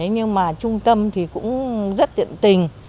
nhưng mà trung tâm thì cũng rất tiện tình